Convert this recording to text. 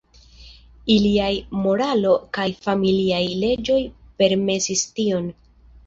Iliaj moralo kaj familiaj leĝoj permesis tion.